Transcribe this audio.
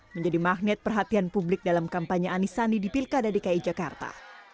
menjadi magnet perhatian publik dalam kampanye anisandi di pilkada dki jakarta